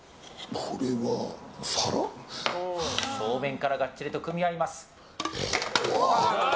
正面からがっちりと組み合います。